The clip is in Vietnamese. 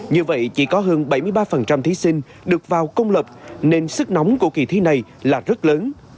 như vậy chỉ có hơn bảy mươi ba thí sinh được vào công lập nên sức nóng của kỳ thi này là rất lớn